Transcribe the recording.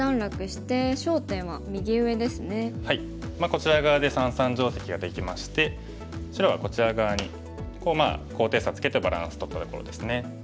こちら側で三々定石ができまして白はこちら側に高低差つけてバランスとったところですね。